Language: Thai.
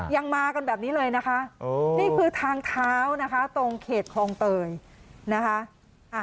ยังมากันแบบนี้เลยนะคะนี่คือทางเท้านะคะตรงเขตคลองเตยนะคะ